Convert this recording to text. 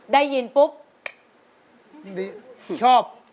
ได้ยินปุ๊บชอบ